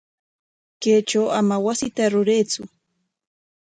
Kaytraw ama wasita ruraytsu.